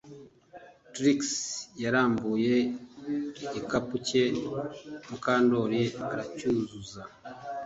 Trix yarambuye igikapu cye Mukandoli aracyuzuza